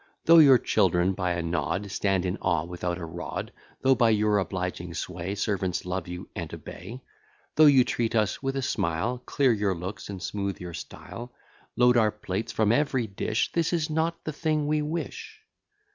Though your children by a nod Stand in awe without a rod; Though, by your obliging sway, Servants love you, and obey; Though you treat us with a smile; Clear your looks, and smooth your style; Load our plates from every dish; This is not the thing we wish.